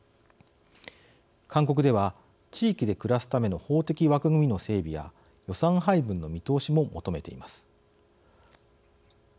勧告では、地域で暮らすための法的枠組みの整備や予算配分の見直しも求めています。